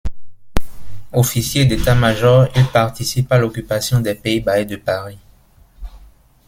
Officier d’état-major, il participe à l'occupation des Pays-Bas et de Paris.